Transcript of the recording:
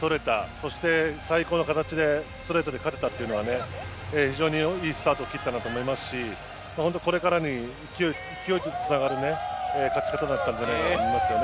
そして、最高の形でストレートで勝てたというのは非常にいいスタートを切れたと思いますしこれからの勢いにつながる勝ち方だったと思いますね。